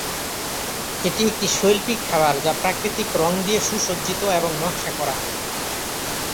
এটি একটি শৈল্পিক খাবার যা প্রাকৃতিক রং দিয়ে সুসজ্জিত এবং নকশা করা।